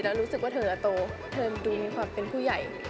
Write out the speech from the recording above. แล้วรู้สึกว่าเธอโตเธอดูมีความเป็นผู้ใหญ่